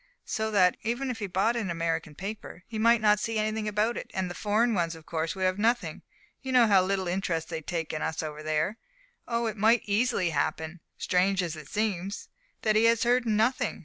So that, even if he bought an American paper, he might not see anything about it, and the foreign ones of course would have nothing you know how little interest they take in us over there. Oh, it might easily happen strange as it seems, that he has heard nothing."